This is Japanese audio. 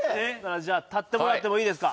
じゃあ立ってもらってもいいですか？